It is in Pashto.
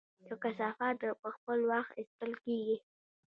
د کثافاتو په خپل وخت ایستل کیږي؟